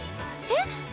えっ！